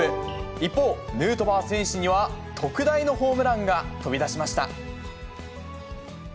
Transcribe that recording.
一方、ヌートバー選手には特大のホームランが飛び出しました。